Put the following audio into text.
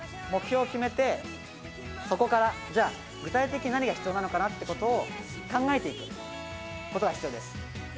目標を決めてそこからじゃあ具体的に何が必要なのかなってことを考えていくことが必要です